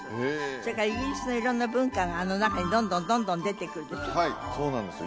それからイギリスの色んな文化があの中にどんどんどんどん出てくるでしょはいそうなんですよ